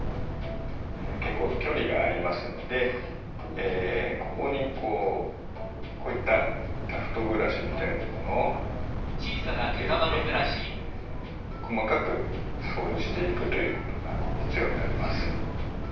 結構距離がありますのでここにこうこういったタフトブラシみたいなものを入れて細かく掃除していくということが必要になります。